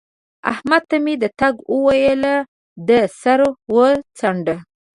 احمد ته مې د تګ وويل؛ ده سر وڅانډه